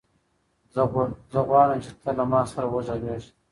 زه غواړم چې ته له ما سره وغږېږې.